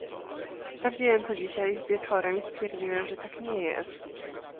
Sprawdziłem to dzisiaj wieczorem i stwierdziłem, że tak nie jest